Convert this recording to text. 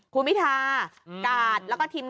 ครูมิทากะทะพกุยเตี๋ยว